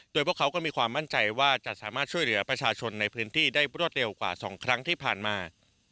โดยพวกเขาก็มีความมั่นใจว่าจะสามารถช่วยเหลือประชาชนในพื้นที่ได้รวดเร็วกว่า๒ครั้งที่ผ่านมา